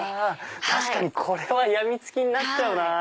確かにこれは病みつきになっちゃうなぁ。